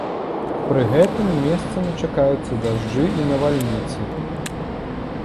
Пры гэтым месцамі чакаюцца дажджы і навальніцы.